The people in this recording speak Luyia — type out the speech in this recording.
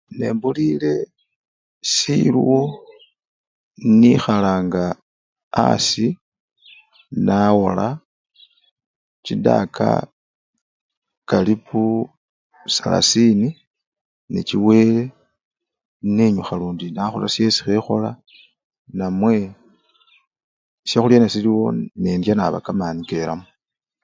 Nembulile siluwo nikhalanga asii nawola chidaka karibu salasini, nechiwele nenyukha lundi nakhola syesi bele khekhola namwe syakhulya nesiliwo nendya naba kamani kelamo.